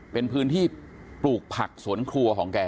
เป็นพื้นที่ปลูกผักสวนครัวของแก